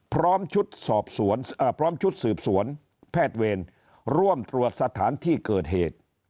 พร้อมชุดสืบสวนแพทย์เวรร่วมตรวจสถานที่เกิดเหตุ